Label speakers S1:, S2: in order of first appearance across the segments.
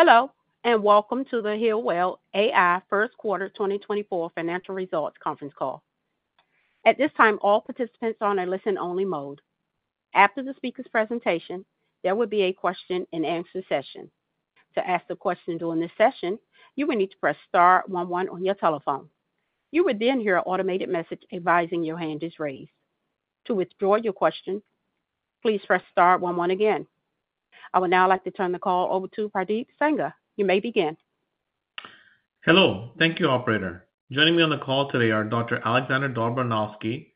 S1: Hello and welcome to the HEALWELL AI first quarter 2024 financial results conference call. At this time, all participants are in a listen-only mode. After the speaker's presentation, there will be a question-and-answer session. To ask the question during this session, you will need to press Star 11 on your telephone. You will then hear an automated message advising your hand is raised. To withdraw your question, please press Star 11 again. I would now like to turn the call over to Pardeep Sangha. You may begin.
S2: Hello. Thank you, operator. Joining me on the call today are Dr. Alexander Dobranowski,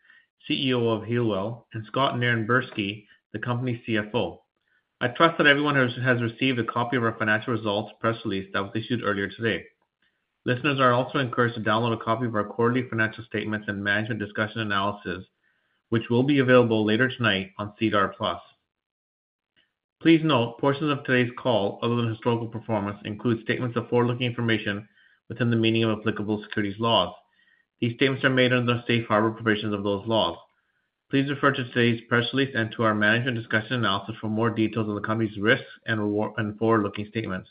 S2: CEO of HEALWELL, and Scott Nirenberski, the company's CFO. I trust that everyone has received a copy of our financial results press release that was issued earlier today. Listeners are also encouraged to download a copy of our quarterly financial statements and management discussion analysis, which will be available later tonight on SEDAR+. Please note, portions of today's call, other than historical performance, include statements of forward-looking information within the meaning of applicable securities laws. These statements are made under the safe harbor provisions of those laws. Please refer to today's press release and to our management discussion analysis for more details on the company's risks and forward-looking statements.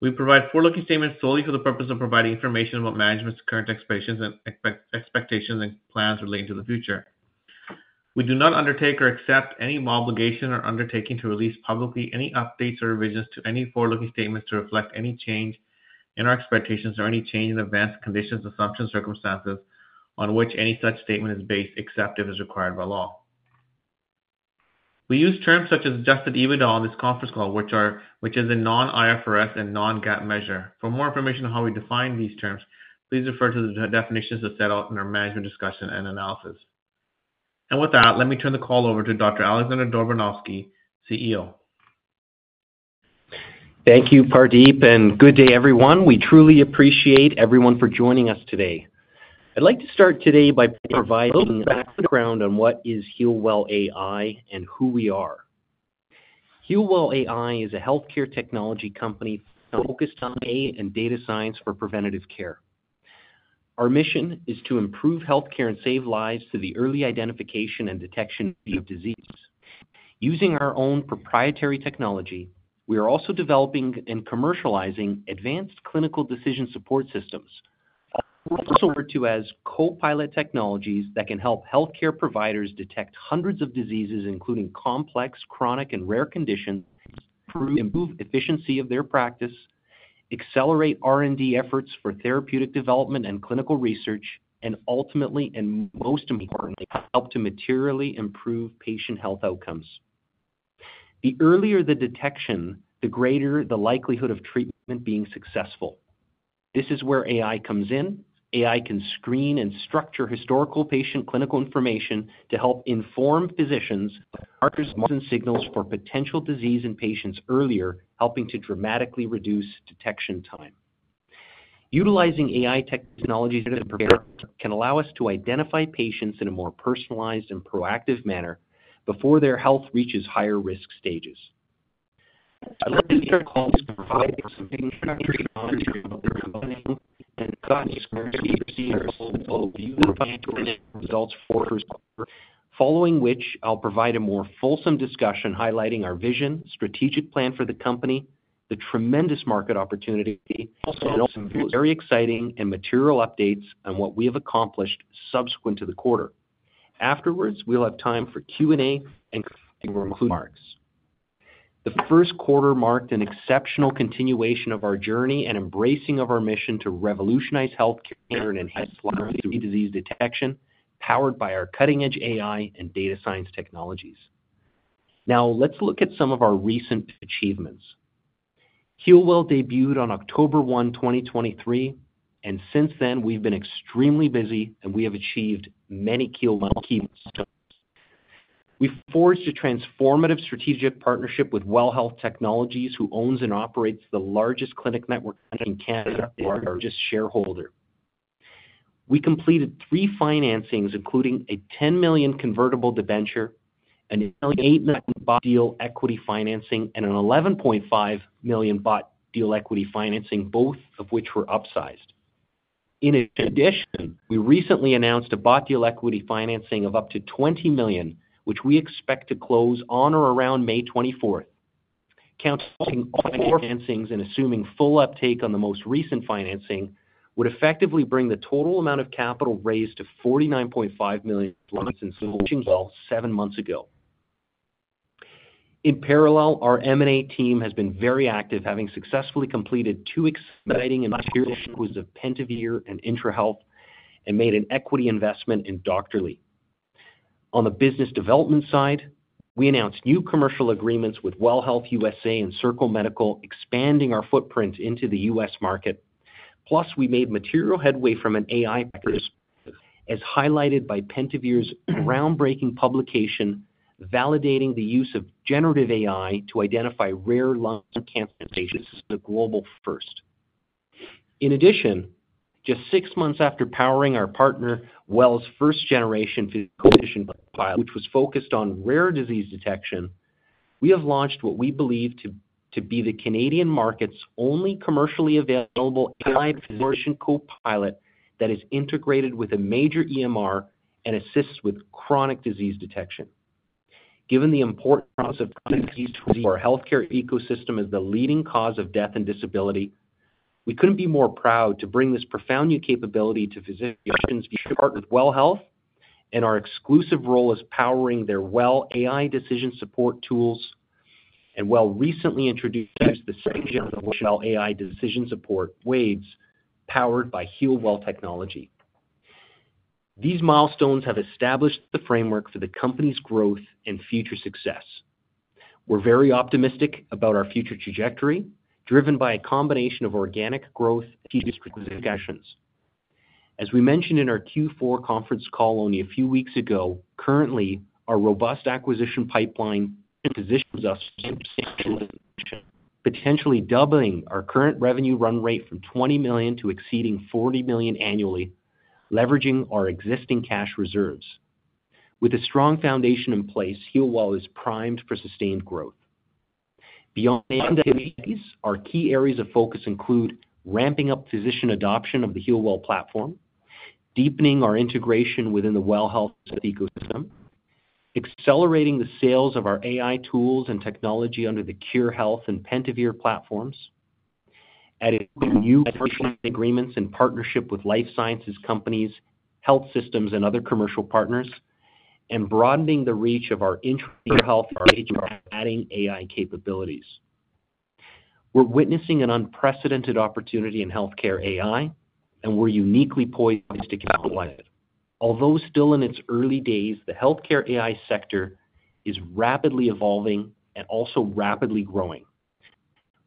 S2: We provide forward-looking statements solely for the purpose of providing information about management's current expectations and plans relating to the future. We do not undertake or accept any obligation or undertaking to release publicly any updates or revisions to any forward-looking statements to reflect any change in our expectations or any change in adverse conditions, assumptions, circumstances on which any such statement is based, except if it is required by law. We use terms such as Adjusted EBITDA on this conference call, which is a non-IFRS and non-GAAP measure. For more information on how we define these terms, please refer to the definitions that are set out in our management discussion and analysis. With that, let me turn the call over to Dr. Alexander Dobranowski, CEO.
S3: Thank you, Pardeep, and good day, everyone. We truly appreciate everyone for joining us today. I'd like to start today by providing a background on what is HEALWELL AI and who we are. HEALWELL AI is a healthcare technology company focused on AI and data science for preventative care. Our mission is to improve healthcare and save lives through the early identification and detection of disease. Using our own proprietary technology, we are also developing and commercializing advanced clinical decision support systems, also referred to as co-pilot technologies, that can help healthcare providers detect hundreds of diseases, including complex, chronic, and rare conditions, improve efficiency of their practice, accelerate R&D efforts for therapeutic development and clinical research, and ultimately, and most importantly, help to materially improve patient health outcomes. The earlier the detection, the greater the likelihood of treatment being successful. This is where AI comes in. AI can screen and structure historical patient clinical information to help inform physicians of markers and signals for potential disease in patients earlier, helping to dramatically reduce detection time. Utilizing AI technologies in preventative care can allow us to identify patients in a more personalized and proactive manner before their health reaches higher risk stages. I'd like to start the call with some introductory knowledge about the company and guidance to proceed with our full review of financial results for this call, following which I'll provide a more fulsome discussion highlighting our vision, strategic plan for the company, the tremendous market opportunity, and also some very exciting and material updates on what we have accomplished subsequent to the quarter. Afterwards, we'll have time for Q&A and concluding remarks. The first quarter marked an exceptional continuation of our journey and embracing of our mission to revolutionize healthcare and enhance disease detection, powered by our cutting-edge AI and data science technologies. Now, let's look at some of our recent achievements. HEALWELL debuted on October 1, 2023, and since then, we've been extremely busy, and we have achieved many key milestones. We forged a transformative strategic partnership with WELL Health Technologies, who owns and operates the largest clinic network in Canada and our largest shareholder. We completed three financings, including a 10 million convertible debenture, an 8 million bought deal equity financing, and a 11.5 million bought deal equity financing, both of which were upsized. In addition, we recently announced a bought deal equity financing of up to 20 million, which we expect to close on or around May 24th. Counting all financings and assuming full uptake on the most recent financing would effectively bring the total amount of capital raised to 49.5 million dollars in since launch seven months ago. In parallel, our M&A team has been very active, having successfully completed two exciting and material acquisitions of Pentavere and IntraHealth and made an equity investment in Doctorly. On the business development side, we announced new commercial agreements with WELL Health USA and Circle Medical, expanding our footprint into the U.S. market, plus we made material headway from an AI perspective, as highlighted by Pentavere's groundbreaking publication validating the use of generative AI to identify rare lung cancer patients as a global first. In addition, just six months after powering our partner WELL's first-generation digital physician co-pilot, which was focused on rare disease detection, we have launched what we believe to be the Canadian market's only commercially available AI physician co-pilot that is integrated with a major EMR and assists with chronic disease detection. Given the important cause of chronic disease to our healthcare ecosystem as the leading cause of death and disability, we couldn't be more proud to bring this profound new capability to physicians via our partner WELL Health and our exclusive role as powering their WELL AI Decision Support tools and WELL recently introduced the second-generation WELL AI Decision Support WADS powered by HEALWELL AI. These milestones have established the framework for the company's growth and future success. We're very optimistic about our future trajectory, driven by a combination of organic growth and future strategic actions. As we mentioned in our Q4 conference call only a few weeks ago, currently, our robust acquisition pipeline positions us potentially doubling our current revenue run rate from 20 million to exceeding 40 million annually, leveraging our existing cash reserves. With a strong foundation in place, HEALWELL AI is primed for sustained growth. Beyond activities, our key areas of focus include ramping up physician adoption of the HEALWELL AI platform, deepening our integration within the WELL Health ecosystem, accelerating the sales of our AI tools and technology under the Khure Health and Pentavere platforms, adding new financial agreements in partnership with life sciences companies, health systems, and other commercial partners, and broadening the reach of our IntraHealth adding AI capabilities. We're witnessing an unprecedented opportunity in healthcare AI, and we're uniquely poised to capitalize it. Although still in its early days, the healthcare AI sector is rapidly evolving and also rapidly growing.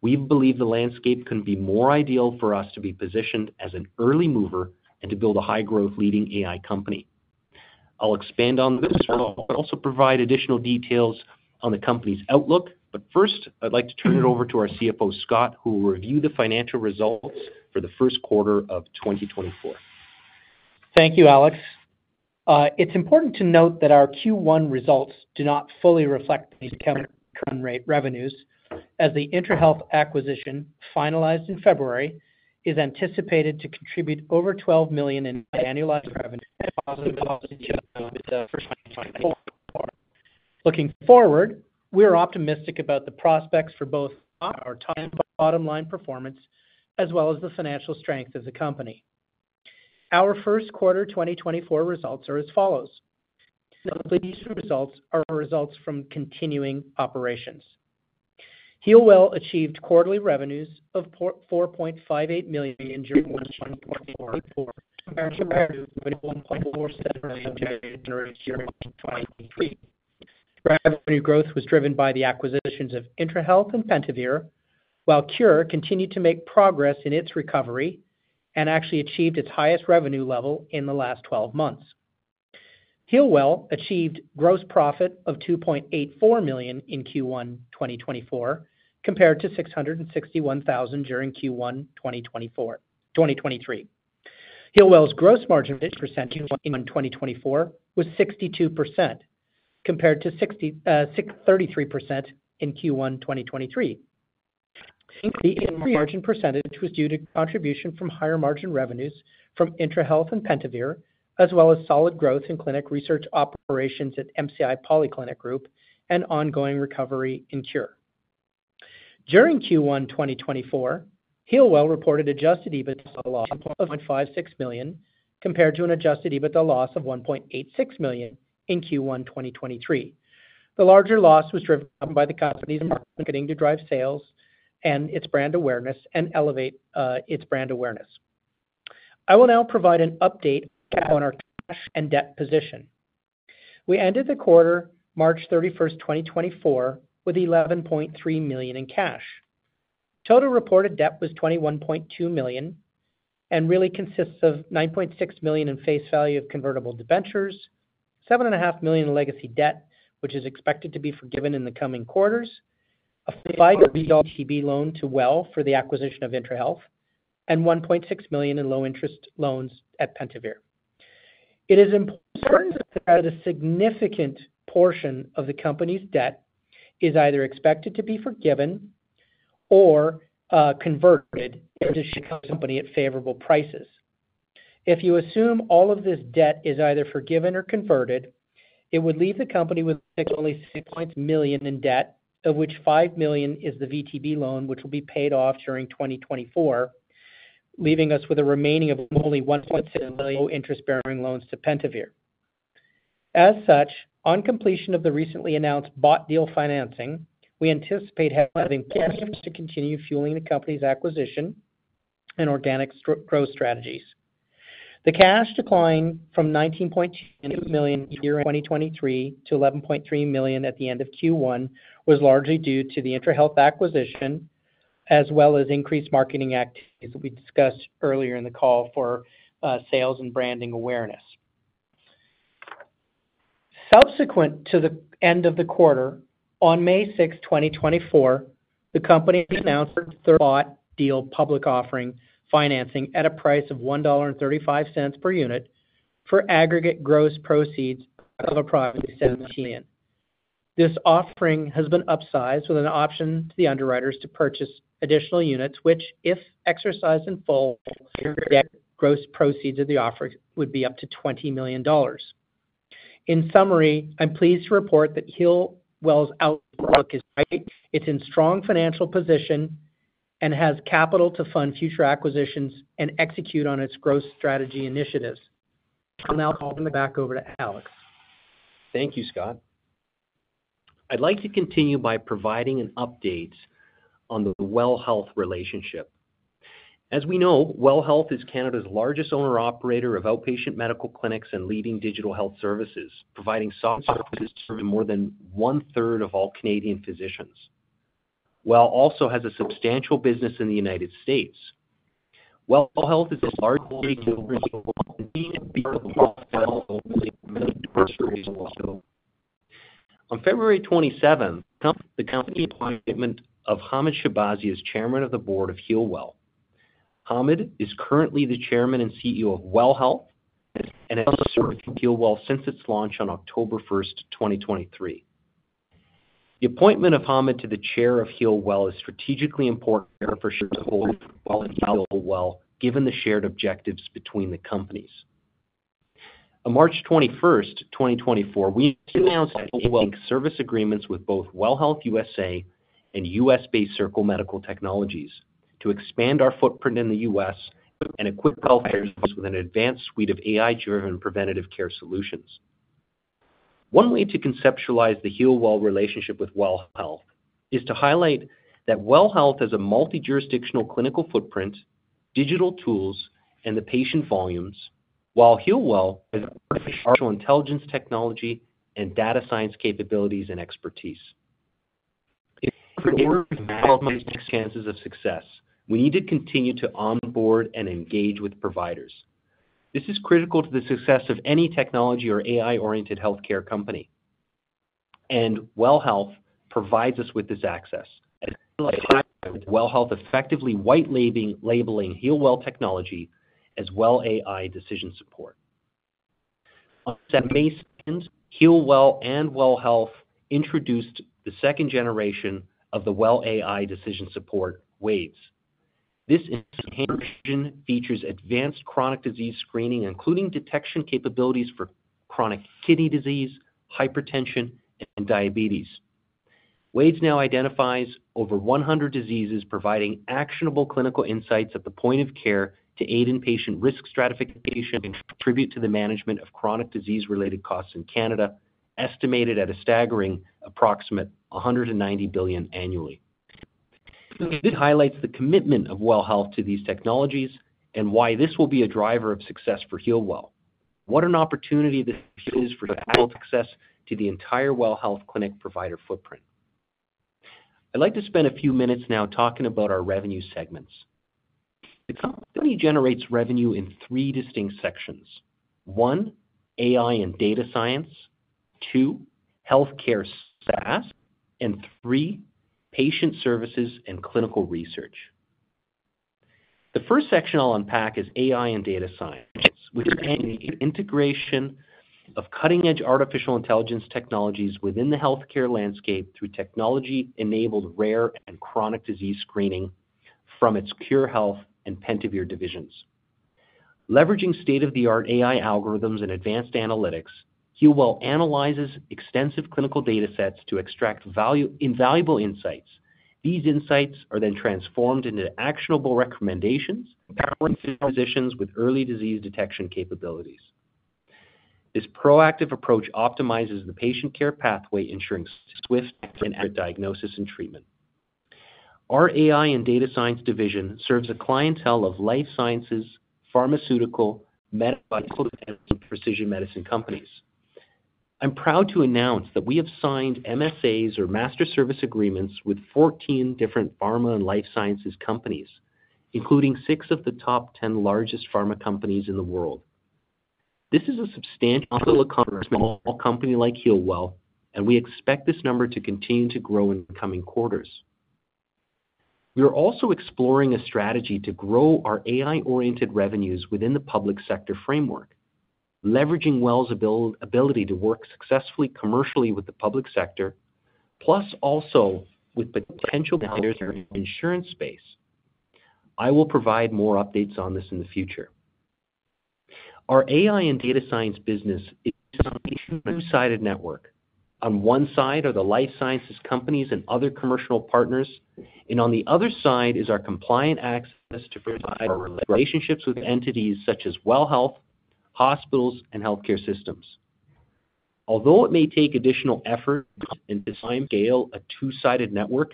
S3: We believe the landscape can be more ideal for us to be positioned as an early mover and to build a high-growth leading AI company. I'll expand on this but also provide additional details on the company's outlook, but first, I'd like to turn it over to our CFO Scott, who will review the financial results for the first quarter of 2024.
S4: Thank you, Alex. It's important to note that our Q1 results do not fully reflect these accounting run rate revenues, as the IntraHealth acquisition finalized in February is anticipated to contribute over 12 million in annualized revenue looking forward. We are optimistic about the prospects for both our near-term bottom line performance as well as the financial strength of the company. Our first quarter 2024 results are as follows. The results are results from continuing operations. Healwell achieved quarterly revenues of 4.58 million in 2024 compared to revenue of CAD 1.47 million generated during 2023. Revenue growth was driven by the acquisitions of IntraHealth and Pentavere, while Khure continued to make progress in its recovery and actually achieved its highest revenue level in the last 12 months. Healwell achieved gross profit of 2.84 million in Q1 2024 compared to 661,000 during Q1 2023. Healwell's gross margin percentage in 2024 was 62% compared to 33% in Q1 2023. The margin percentage was due to contribution from higher margin revenues from IntraHealth and Pentavere, as well as solid growth in clinic research operations at MCI Polyclinic Group and ongoing recovery in Khure. During Q1 2024, Healwell reported Adjusted EBITDA loss of 1.56 million compared to an Adjusted EBITDA loss of 1.86 million in Q1 2023. The larger loss was driven by the company's marketing to drive sales and its brand awareness and elevate its brand awareness. I will now provide an update on our cash and debt position. We ended the quarter, March 31, 2024, with 11.3 million in cash. Total reported debt was 21.2 million and really consists of 9.6 million in face value of convertible debentures, 7.5 million in legacy debt, which is expected to be forgiven in the coming quarters, a 5-year VTB loan to Well for the acquisition of IntraHealth, and 1.6 million in low-interest loans at Pentavere. It is important to note that a significant portion of the company's debt is either expected to be forgiven or converted into the company at favorable prices. If you assume all of this debt is either forgiven or converted, it would leave the company with only 6.6 million in debt, of which 5 million is the VTB loan, which will be paid off during 2024, leaving us with a remaining of only 1.6 million low-interest bearing loans to Pentavere. As such, on completion of the recently announced bought deal financing, we anticipate having cash to continue fueling the company's acquisition and organic growth strategies. The cash decline from 19.2 million year 2023 to 11.3 million at the end of Q1 was largely due to the IntraHealth acquisition as well as increased marketing activities that we discussed earlier in the call for sales and branding awareness. Subsequent to the end of the quarter, on May 6, 2024, the company announced its third bought deal public offering financing at a price of 1.35 dollar per unit for aggregate gross proceeds of approximately CAD 7 million. This offering has been upsized with an option to the underwriters to purchase additional units, which, if exercised in full, aggregate gross proceeds of the offer would be up to 20 million dollars. In summary, I'm pleased to report that HEALWELL's outlook is bright. It's in strong financial position and has capital to fund future acquisitions and execute on its growth strategy initiatives. I'll now turn it back over to Alex.
S3: Thank you, Scott. I'd like to continue by providing an update on the WELL Health relationship. As we know, WELL Health is Canada's largest owner-operator of outpatient medical clinics and leading digital health services, providing software services to more than one-third of all Canadian physicians. WELL Health also has a substantial business in the United States. WELL Health is a large company. On February 27th, the company appointment of Hamed Shahbazi as chairman of the board of HEALWELL. Hamed Shahbazi is currently the chairman and CEO of WELL Health and has also served HEALWELL since its launch on October 1, 2023. The appointment of Hamed Shahbazi to the chair of HEALWELL is strategically important for HEALWELL and HEALWELL, given the shared objectives between the companies. On March 21, 2024, we announced that we will make service agreements with both WELL Health USA and U.S.-based Circle Medical to expand our footprint in the U.S. and equip healthcare with an advanced suite of AI-driven preventative care solutions. One way to conceptualize the HEALWELL relationship with WELL Health is to highlight that WELL Health has a multi-jurisdictional clinical footprint, digital tools, and the patient volumes, while HEALWELL has artificial intelligence technology and data science capabilities and expertise. In order to maximize chances of success, we need to continue to onboard and engage with providers. This is critical to the success of any technology or AI-oriented healthcare company. WELL Health provides us with this access, as well as WELL Health effectively white-labeling HEALWELL technology as WELL AI Decision Support. On May 7th, HEALWELL and WELL Health introduced the second generation of the WELL AI Decision Support WADS. This features advanced chronic disease screening, including detection capabilities for chronic kidney disease, hypertension, and diabetes. WADS now identifies over 100 diseases, providing actionable clinical insights at the point of care to aid in patient risk stratification and contribute to the management of chronic disease-related costs in Canada, estimated at a staggering approximate 190 billion annually. This highlights the commitment of WELL Health to these technologies and why this will be a driver of success for HEALWELL. What an opportunity this is for success to the entire WELL Health clinic provider footprint. I'd like to spend a few minutes now talking about our revenue segments. The company generates revenue in three distinct sections: one, AI and data science; two, healthcare SaaS; and three, patient services and clinical research. The first section I'll unpack is AI and data science, which is integration of cutting-edge artificial intelligence technologies within the healthcare landscape through technology-enabled rare and chronic disease screening from its Khure Health and Pentavere divisions. Leveraging state-of-the-art AI algorithms and advanced analytics, HEALWELL AI analyzes extensive clinical data sets to extract invaluable insights. These insights are then transformed into actionable recommendations empowering physicians with early disease detection capabilities. This proactive approach optimizes the patient care pathway, ensuring swift and accurate diagnosis and treatment. Our AI and data science division serves a clientele of life sciences, pharmaceutical, medical, and precision medicine companies. I'm proud to announce that we have signed MSAs, or master service agreements, with 14 different pharma and life sciences companies, including six of the top 10 largest pharma companies in the world. This is a substantial accomplishment for a small company like HEALWELL AI, and we expect this number to continue to grow in the coming quarters. We are also exploring a strategy to grow our AI-oriented revenues within the public sector framework, leveraging WELL's ability to work successfully commercially with the public sector, plus also with potential insurance space. I will provide more updates on this in the future. Our AI and data science business is a two-sided network. On one side are the life sciences companies and other commercial partners, and on the other side is our compliant access to our relationships with entities such as WELL Health, hospitals, and healthcare systems. Although it may take additional effort to design and scale a two-sided network,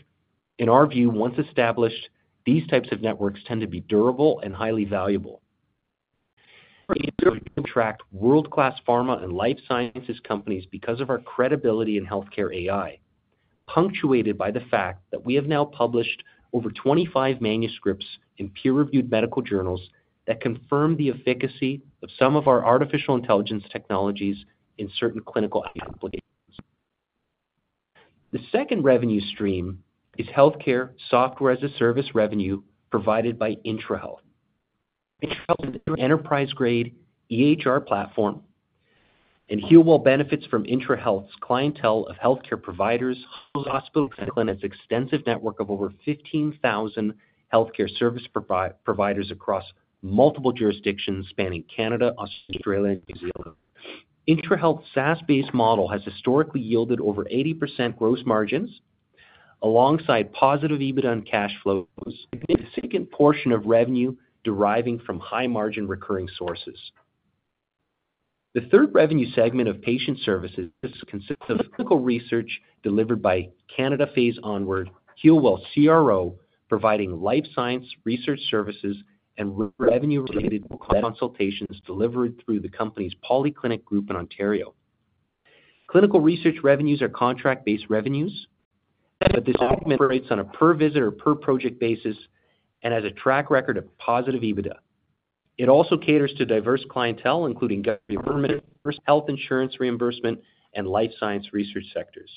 S3: in our view, once established, these types of networks tend to be durable and highly valuable. We attract world-class pharma and life sciences companies because of our credibility in healthcare AI, punctuated by the fact that we have now published over 25 manuscripts in peer-reviewed medical journals that confirm the efficacy of some of our artificial intelligence technologies in certain clinical applications. The second revenue stream is healthcare software-as-a-service revenue provided by IntraHealth. IntraHealth is an enterprise-grade EHR platform, and HEALWELL benefits from IntraHealth's clientele of healthcare providers, hospitals, and clinics, extensive network of over 15,000 healthcare service providers across multiple jurisdictions spanning Canada, Australia, and New Zealand. IntraHealth's SaaS-based model has historically yielded over 80% gross margins alongside positive EBITDA and cash flows, a significant portion of revenue deriving from high-margin recurring sources. The third revenue segment of patient services consists of clinical research delivered by Canadian Phase Onward HEALWELL CRO, providing life science research services and revenue-related consultations delivered through the company's polyclinic group in Ontario. Clinical research revenues are contract-based revenues, but this segment operates on a per-visitor or per-project basis and has a track record of positive EBITDA. It also caters to diverse clientele, including government health insurance reimbursement and life science research sectors.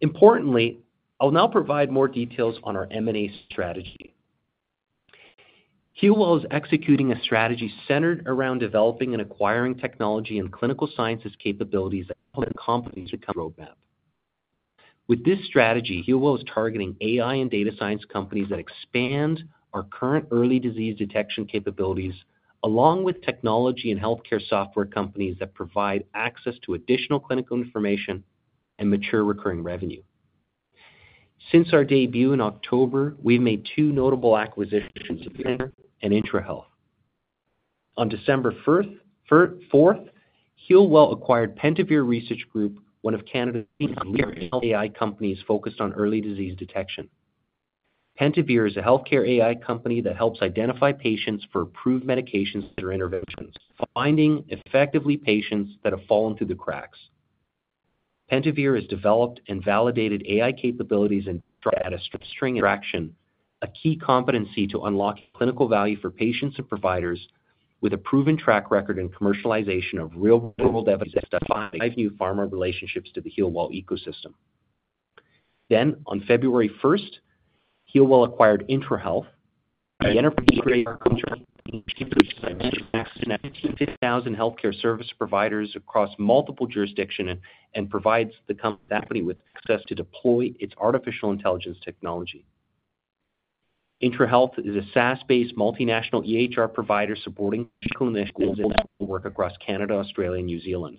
S3: Importantly, I'll now provide more details on our M&A strategy. HEALWELL is executing a strategy centered around developing and acquiring technology and clinical sciences capabilities that help companies become roadmap. With this strategy, HEALWELL is targeting AI and data science companies that expand our current early disease detection capabilities, along with technology and healthcare software companies that provide access to additional clinical information and mature recurring revenue. Since our debut in October, we've made two notable acquisitions: Pentavere and IntraHealth. On December 4th, HEALWELL AI acquired Pentavere Research Group, one of Canada's leading AI companies focused on early disease detection. Pentavere is a healthcare AI company that helps identify patients for approved medications or interventions, finding effectively patients that have fallen through the cracks. Pentavere has developed and validated AI capabilities and data strengthening, a key competency to unlock clinical value for patients and providers with a proven track record and commercialization of real-world evidence that provides new pharma relationships to the HEALWELL AI ecosystem. On February 1st, HEALWELL AI acquired IntraHealth. The company is a venture capital company that accommodates 15,000 healthcare service providers across multiple jurisdictions and provides the company with access to deploy its artificial intelligence technology. IntraHealth is a SaaS-based multinational EHR provider supporting clinical work across Canada, Australia, and New Zealand.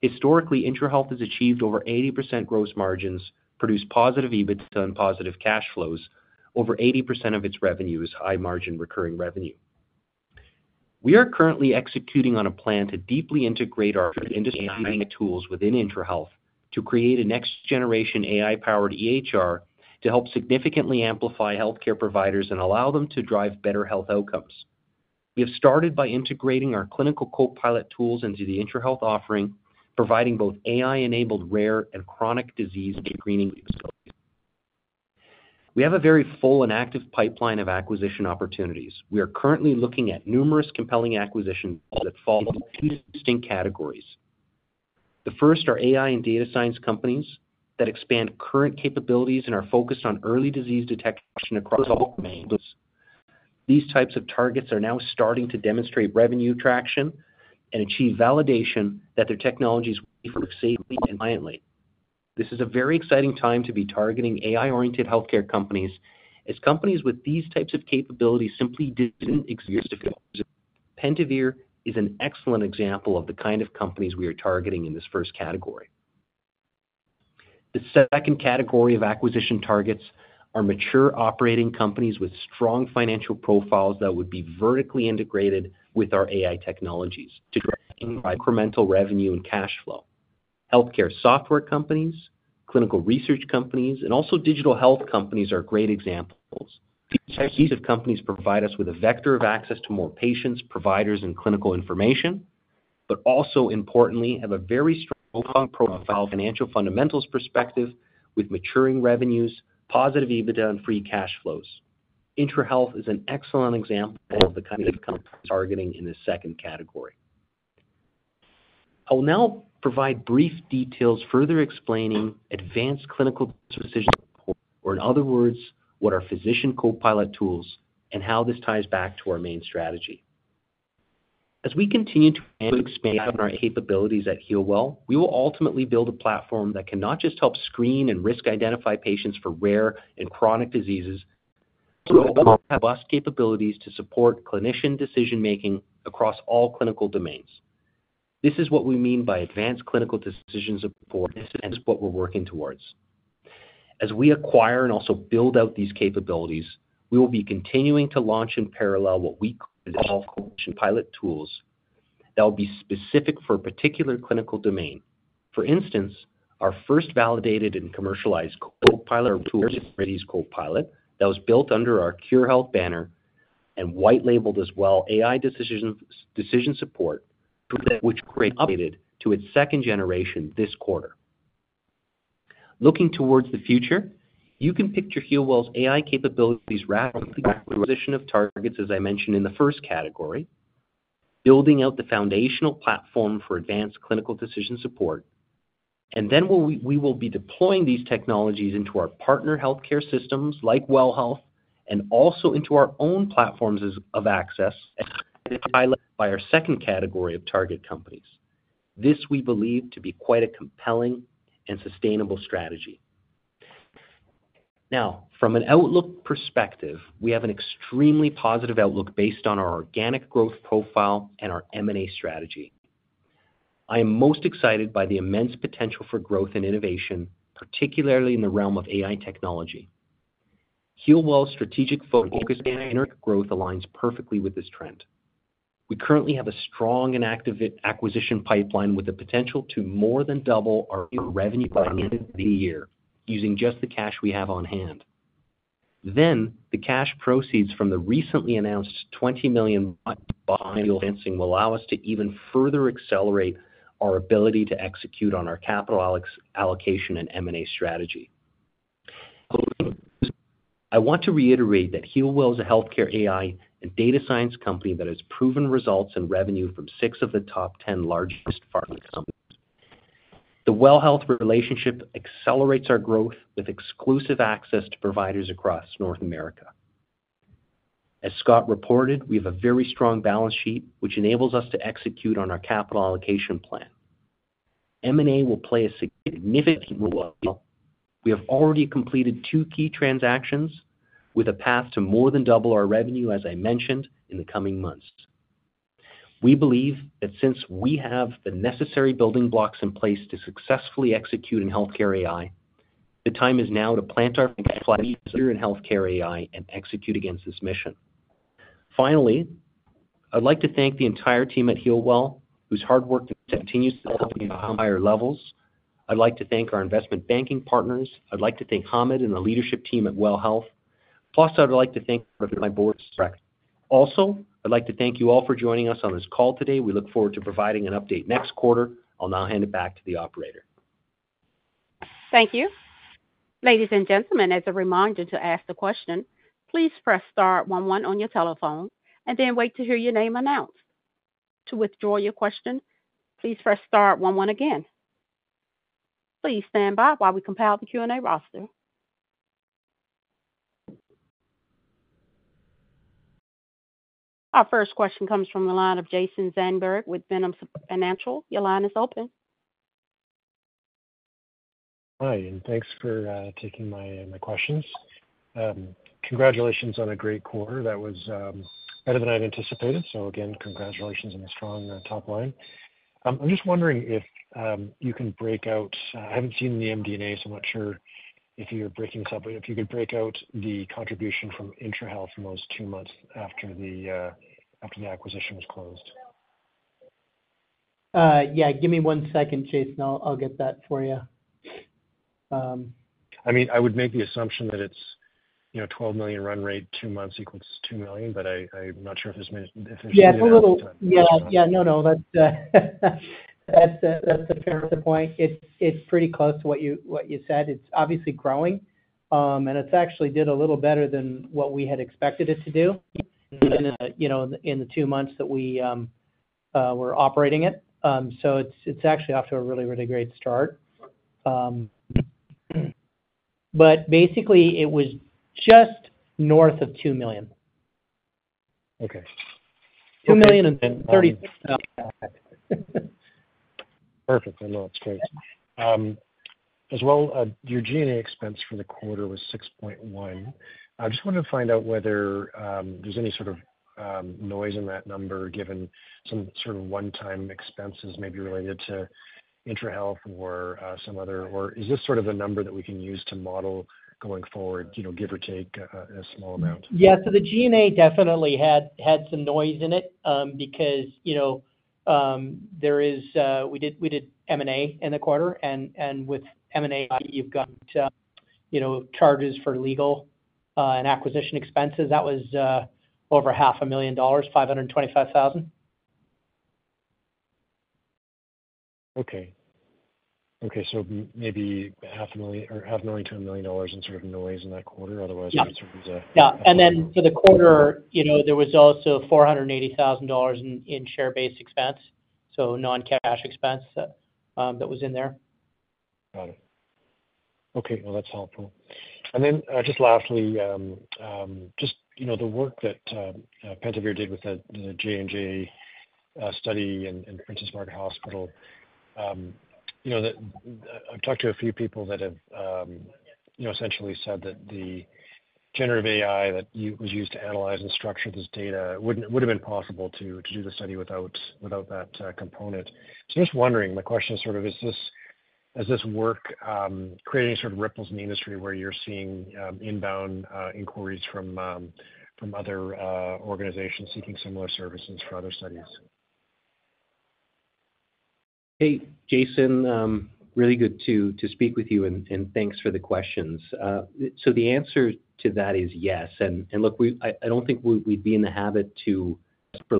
S3: Historically, IntraHealth has achieved over 80% gross margins, produced positive EBITDA, and positive cash flows. Over 80% of its revenue is high-margin recurring revenue. We are currently executing on a plan to deeply integrate our industry-led AI tools within IntraHealth to create a next-generation AI-powered EHR to help significantly amplify healthcare providers and allow them to drive better health outcomes. We have started by integrating our clinical co-pilot tools into the IntraHealth offering, providing both AI-enabled rare and chronic disease screening capabilities. We have a very full and active pipeline of acquisition opportunities. We are currently looking at numerous compelling acquisitions that fall into two distinct categories. The first are AI and data science companies that expand current capabilities and are focused on early disease detection across all domains. These types of targets are now starting to demonstrate revenue traction and achieve validation that their technologies work safely and reliably. This is a very exciting time to be targeting AI-oriented healthcare companies, as companies with these types of capabilities simply didn't exist before. Pentavere is an excellent example of the kind of companies we are targeting in this first category. The second category of acquisition targets are mature operating companies with strong financial profiles that would be vertically integrated with our AI technologies to drive incremental revenue and cash flow. Healthcare software companies, clinical research companies, and also digital health companies are great examples. These types of companies provide us with a vector of access to more patients, providers, and clinical information, but also, importantly, have a very strong profile from a financial fundamentals perspective, with maturing revenues, positive EBITDA, and free cash flows. IntraHealth is an excellent example of the kind of companies we are targeting in this second category. I will now provide brief details further explaining advanced clinical decision support, or in other words, what our physician co-pilot tools are and how this ties back to our main strategy. As we continue to expand our capabilities at HEALWELL, we will ultimately build a platform that can not just help screen and risk identify patients for rare and chronic diseases, but also have robust capabilities to support clinician decision-making across all clinical domains. This is what we mean by advanced clinical decision support. This is what we're working towards. As we acquire and also build out these capabilities, we will be continuing to launch in parallel what we call clinician co-pilot tools that will be specific for a particular clinical domain. For instance, our first validated and commercialized co-pilot tool is Khure Health Co-Pilot that was built under our Khure Health banner and white-labeled as WELL AI Decision Support, which we updated to its second generation this quarter. Looking toward the future, you can picture HEALWELL's AI capabilities rapidly accomplishing the acquisition of targets, as I mentioned in the first category, building out the foundational platform for advanced clinical decision support, and then we will be deploying these technologies into our partner healthcare systems like WELL Health and also into our own platforms of access highlighted by our second category of target companies. This we believe to be quite a compelling and sustainable strategy. Now, from an outlook perspective, we have an extremely positive outlook based on our organic growth profile and our M&A strategy. I am most excited by the immense potential for growth and innovation, particularly in the realm of AI technology. HEALWELL's strategic focus on organic growth aligns perfectly with this trend. We currently have a strong and active acquisition pipeline with the potential to more than double our revenue by the end of the year using just the cash we have on hand. Then, the cash proceeds from the recently announced 20 million dollar bought deal financing will allow us to even further accelerate our ability to execute on our capital allocation and M&A strategy. I want to reiterate that HEALWELL is a healthcare AI and data science company that has proven results and revenue from six of the top 10 largest pharma companies. The WELL Health relationship accelerates our growth with exclusive access to providers across North America. As Scott reported, we have a very strong balance sheet, which enables us to execute on our capital allocation plan. M&A will play a significant role. We have already completed two key transactions with a path to more than double our revenue, as I mentioned, in the coming months. We believe that since we have the necessary building blocks in place to successfully execute in healthcare AI, the time is now to plant our flagship engine in healthcare AI and execute against this mission. Finally, I'd like to thank the entire team at HEALWELL, whose hard work continues to help us reach higher levels. I'd like to thank our investment banking partners. I'd like to thank Hamed and the leadership team at WELL Health. Plus, I'd like to thank my board of directors. Also, I'd like to thank you all for joining us on this call today. We look forward to providing an update next quarter. I'll now hand it back to the operator.
S1: Thank you. Ladies and gentlemen, as a reminder to ask the question, please press star 1 1 on your telephone and then wait to hear your name announced. To withdraw your question, please press star 1 1 again. Please stand by while we compile the Q&A roster. Our first question comes from the line of Jason Zandberg with Zenith Capital Partners. Your line is open.
S5: Hi, and thanks for taking my questions. Congratulations on a great quarter. That was better than I'd anticipated, so again, congratulations on the strong top line. I'm just wondering if you can break out. I haven't seen the MD&A, so I'm not sure if you're breaking this up. But if you could break out the contribution from IntraHealth in those two months after the acquisition was closed.
S4: Yeah, give me one second, Jason, and I'll get that for you.
S3: I mean, I would make the assumption that it's 12 million run rate, 2 months equals 2 million, but I'm not sure if this means.
S4: Yeah, that's a fair point. It's pretty close to what you said. It's obviously growing, and it actually did a little better than what we had expected it to do in the two months that we were operating it. So it's actually off to a really, really great start. But basically, it was just north of 2 million. 2,036,000.
S5: Perfect. No, that's great. As well, your G&A expense for the quarter was 6.1. I just wanted to find out whether there's any sort of noise in that number, given some sort of one-time expenses maybe related to IntraHealth or some other. Or is this sort of a number that we can use to model going forward, give or take a small amount?
S4: Yeah, so the G&A definitely had some noise in it because there is we did M&A in the quarter, and with M&A, you've got charges for legal and acquisition expenses. That was over 500,000 dollars, 525,000.
S5: Okay. Okay, so maybe 500,000 or 500,000-1 million in sort of noise in that quarter. Otherwise, it would sort of be a.
S4: Yeah. Yeah. And then for the quarter, there was also 480,000 dollars in share-based expense, so non-cash expense that was in there.
S5: Got it. Okay, well, that's helpful. And then just lastly, just the work that Pentavere did with the J&J study and Princess Margaret Cancer Centre, I've talked to a few people that have essentially said that the generative AI that was used to analyze and structure this data would have been possible to do the study without that component. So I'm just wondering, my question is sort of, is this work creating sort of ripples in the industry where you're seeing inbound inquiries from other organizations seeking similar services for other studies?
S3: Hey, Jason, really good to speak with you, and thanks for the questions. So the answer to that is yes. And look, I don't think we'd be in the habit to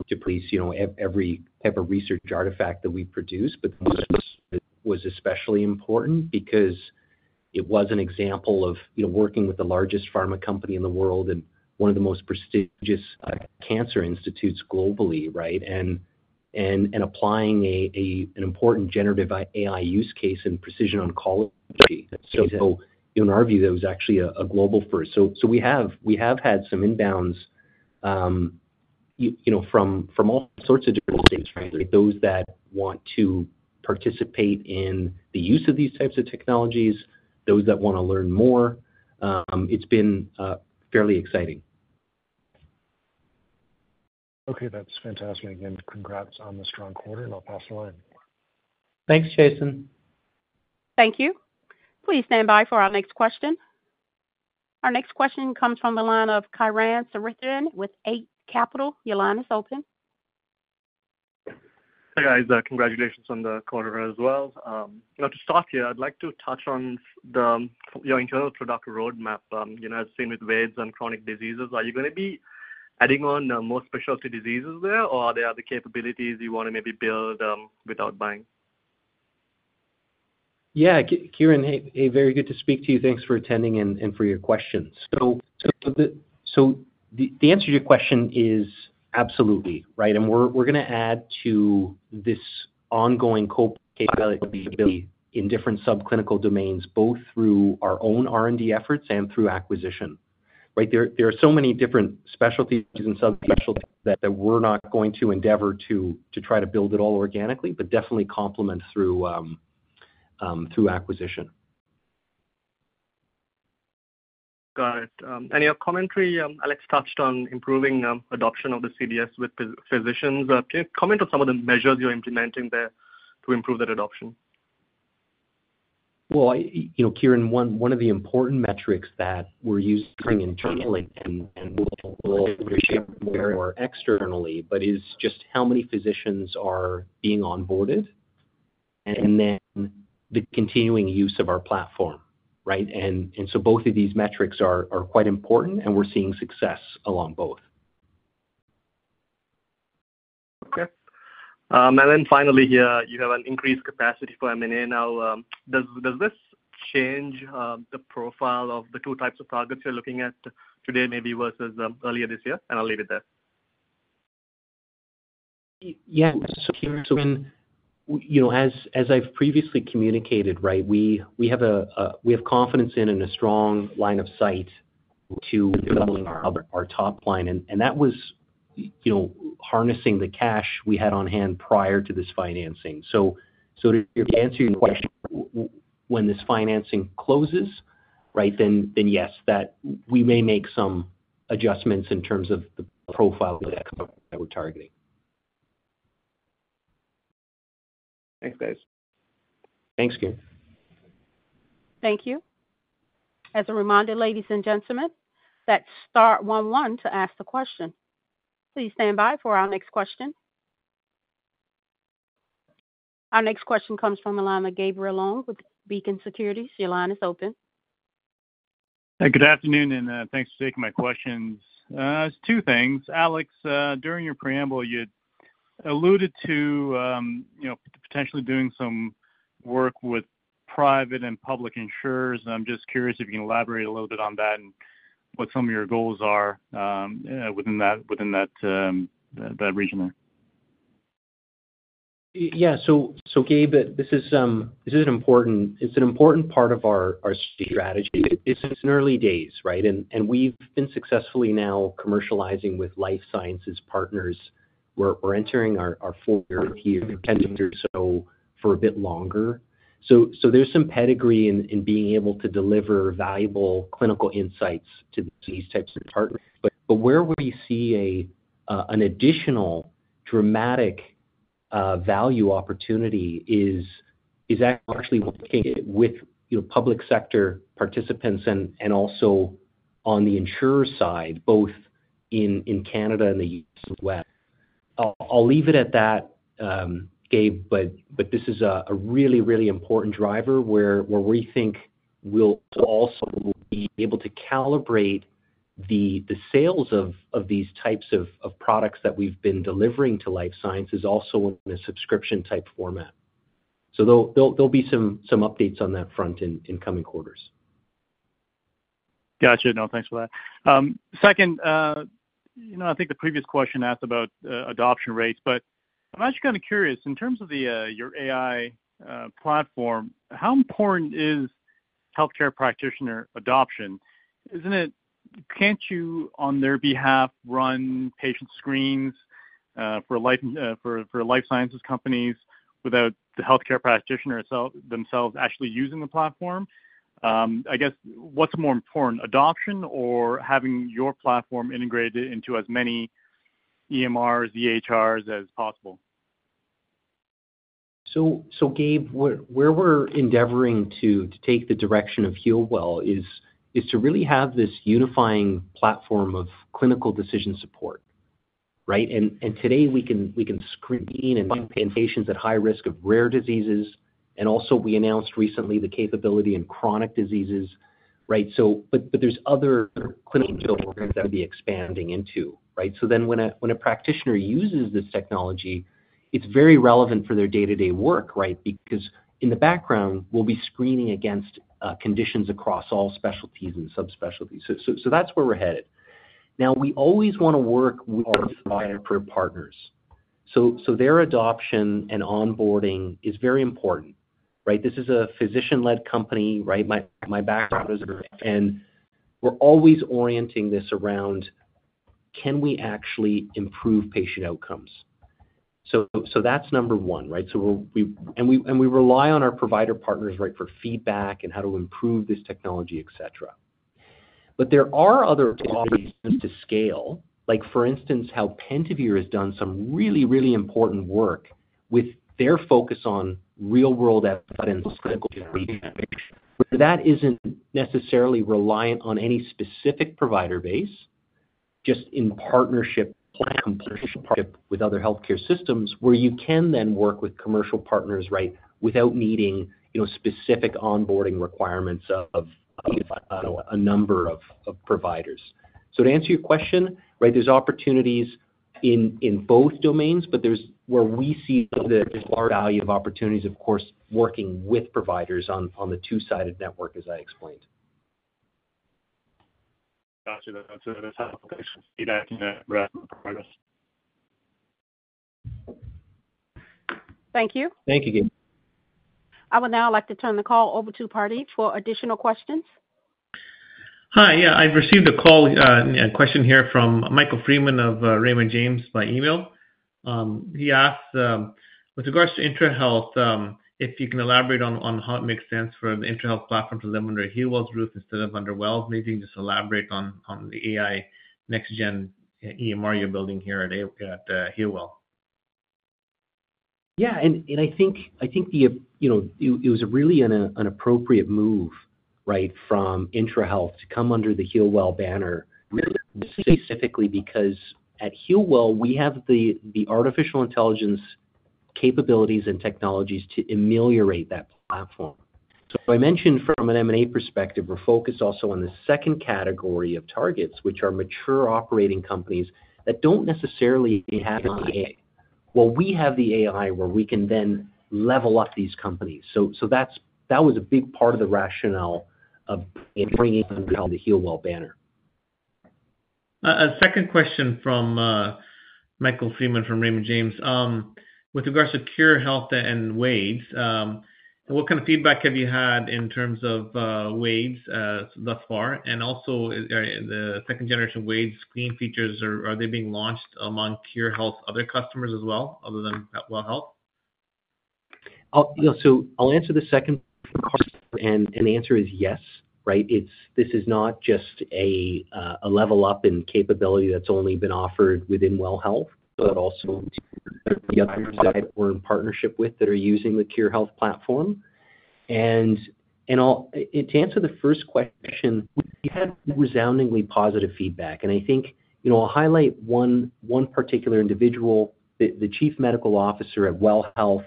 S3: deplete every type of research artifact that we produce, but this was especially important because it was an example of working with the largest pharma company in the world and one of the most prestigious cancer institutes globally, right, and applying an important generative AI use case in precision oncology. So in our view, that was actually a global first. So we have had some inbounds from all sorts of different states, right, those that want to participate in the use of these types of technologies, those that want to learn more. It's been fairly exciting.
S5: Okay, that's fantastic. Congrats on the strong quarter, and I'll pass the line.
S4: Thanks, Jason.
S1: Thank you. Please stand by for our next question. Our next question comes from the line of Kieran Chhabra with Eight Capital. Your line is open.
S6: Hey, guys. Congratulations on the quarter as well. To start here, I'd like to touch on your internal product roadmap. As seen with WADS and chronic diseases, are you going to be adding on more specialty diseases there, or are there other capabilities you want to maybe build without buying?
S4: Yeah, Kieran, hey, very good to speak to you. Thanks for attending and for your questions. So the answer to your question is absolutely, right, and we're going to add to this ongoing co-pilot capability in different subclinical domains, both through our own R&D efforts and through acquisition, right? There are so many different specialties and subspecialties that we're not going to endeavor to try to build it all organically, but definitely complement through acquisition.
S6: Got it. Any other commentary? Alex touched on improving adoption of the CDS with physicians. Can you comment on some of the measures you're implementing there to improve that adoption?
S4: Well, Kieran, one of the important metrics that we're using internally and will share more externally, but is just how many physicians are being onboarded, and then the continuing use of our platform, right? And so both of these metrics are quite important, and we're seeing success along both.
S6: Okay. Then finally here, you have an increased capacity for M&A. Now, does this change the profile of the two types of targets you're looking at today maybe versus earlier this year? I'll leave it there.
S4: Yeah. So Kieran, as I've previously communicated, right, we have confidence in and a strong line of sight to doubling our top line, and that was harnessing the cash we had on hand prior to this financing. So to answer your question, when this financing closes, right, then yes, we may make some adjustments in terms of the profile that we're targeting.
S6: Thanks, guys.
S4: Thanks, Kiran.
S1: Thank you. As a reminder, ladies and gentlemen, that's star 1 1 to ask the question. Please stand by for our next question. Our next question comes from the line of Gabriel Leung with Beacon Securities. Your line is open.
S7: Hey, good afternoon, and thanks for taking my questions. It's two things. Alex, during your preamble, you'd alluded to potentially doing some work with private and public insurers. I'm just curious if you can elaborate a little bit on that and what some of your goals are within that region there?
S3: Yeah. So Gabe, this is an important part of our strategy. It's in the early days, right? And we've been successfully now commercializing with life sciences partners. We're entering our fourth year of tenders or so for a bit longer. So there's some pedigree in being able to deliver valuable clinical insights to these types of partners. But where we see an additional dramatic value opportunity is actually working with public sector participants and also on the insurer side, both in Canada and the U.S. and the West. I'll leave it at that, Gabe, but this is a really, really important driver where we think we'll also be able to calibrate the sales of these types of products that we've been delivering to life sciences also in a subscription-type format. So there'll be some updates on that front in coming quarters.
S7: Gotcha. No, thanks for that. Second, I think the previous question asked about adoption rates, but I'm actually kind of curious. In terms of your AI platform, how important is healthcare practitioner adoption? Can't you, on their behalf, run patient screens for life sciences companies without the healthcare practitioner themselves actually using the platform? I guess, what's more important, adoption or having your platform integrated into as many EMRs, EHRs as possible?
S3: So Gabe, where we're endeavoring to take the direction of Healwell is to really have this unifying platform of clinical decision support, right? And today, we can screen and treat patients at high risk of rare diseases. And also, we announced recently the capability in chronic diseases, right? But there's other clinical opportunities that we'll be expanding into, right? So then when a practitioner uses this technology, it's very relevant for their day-to-day work, right? Because in the background, we'll be screening against conditions across all specialties and subspecialties. So that's where we're headed. Now, we always want to work with our provider partners. So their adoption and onboarding is very important, right? This is a physician-led company, right? My background is a. And we're always orienting this around, can we actually improve patient outcomes? So that's number one, right? We rely on our provider partners, right, for feedback and how to improve this technology, etc. But there are other opportunities to scale. For instance, how Pentavere has done some really, really important work with their focus on real-world evidence clinical generation, where that isn't necessarily reliant on any specific provider base, just in partnership with other healthcare systems where you can then work with commercial partners, right, without needing specific onboarding requirements of a number of providers. So to answer your question, right, there's opportunities in both domains, but where we see the value of opportunities, of course, working with providers on the two-sided network, as I explained.
S7: Gotcha. That's a tough question. Feedback and that breadth of progress.
S1: Thank you.
S3: Thank you, Gabe.
S1: I would now like to turn the call over to Pardeep for additional questions.
S2: Hi. Yeah, I've received a call and question here from Michael Freeman of Raymond James by email. He asks, with regards to IntraHealth, if you can elaborate on how it makes sense for the IntraHealth platform to live under HEALWELL's roof instead of under WELL's. Maybe you can just elaborate on the AI next-gen EMR you're building here at HEALWELL.
S3: Yeah. I think it was really an appropriate move, right, from IntraHealth to come under the HEALWELL banner, really specifically because at HEALWELL, we have the artificial intelligence capabilities and technologies to ameliorate that platform. I mentioned, from an M&A perspective, we're focused also on the second category of targets, which are mature operating companies that don't necessarily have the AI. Well, we have the AI where we can then level up these companies. That was a big part of the rationale of bringing IntraHealth under the HEALWELL banner.
S2: A second question from Michael Freeman from Raymond James. With regards to Khure Health and WADS, what kind of feedback have you had in terms of WADS thus far? And also, the second-generation WADS screen features, are they being launched among Khure Health's other customers as well, other than WELL Health?
S3: So I'll answer the second question, and the answer is yes, right? This is not just a level up in capability that's only been offered within WELL Health, but also the other groups that we're in partnership with that are using the Khure Health platform. And to answer the first question, we've had resoundingly positive feedback. And I think I'll highlight one particular individual, the Chief Medical Officer at WELL Health.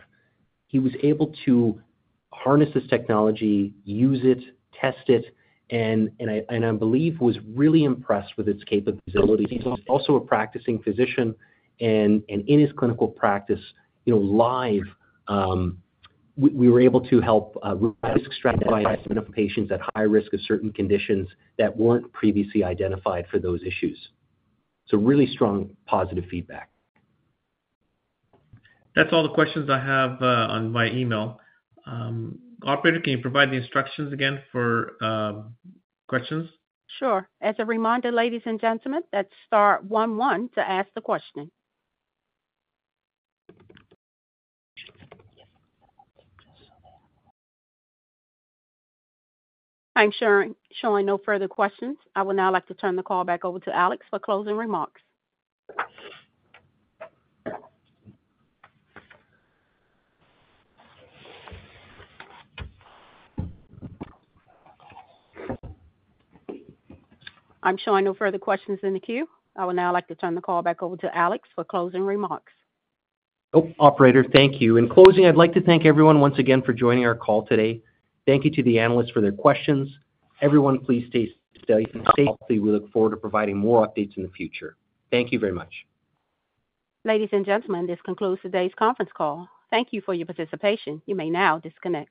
S3: He was able to harness this technology, use it, test it, and I believe was really impressed with its capabilities. He's also a practicing physician, and in his clinical practice, live, we were able to help risk stratify patients at high risk of certain conditions that weren't previously identified for those issues. So really strong positive feedback.
S2: That's all the questions I have on my email. Operator, can you provide the instructions again for questions?
S1: Sure. As a reminder, ladies and gentlemen, that's star 11 to ask the question. I'm showing no further questions. I would now like to turn the call back over to Alex for closing remarks. I'm showing no further questions in the queue. I would now like to turn the call back over to Alex for closing remarks.
S3: Operator, thank you. In closing, I'd like to thank everyone once again for joining our call today. Thank you to the analysts for their questions. Everyone, please stay safe and stay healthy. We look forward to providing more updates in the future. Thank you very much.
S1: Ladies and gentlemen, this concludes today's conference call. Thank you for your participation. You may now disconnect.